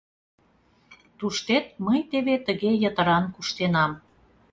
— Туштет мый теве тыге йытыран куштенам.